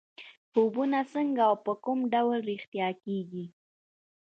خوبونه څنګه او په کوم ډول رښتیا کېږي.